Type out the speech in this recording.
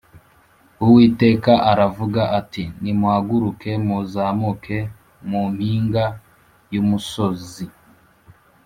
Uwiteka aravuga ati Nimuhaguruke muzamuke mumpnga y’umusozi